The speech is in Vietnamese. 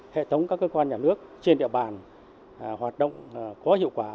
hệ thống các cơ quan nhà nước trên địa bàn hoạt động có hiệu quả